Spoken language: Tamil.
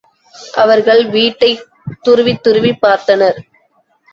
அவர்கள் வீட்டைத் துருவித்துருவிப் பார்த்தனர்.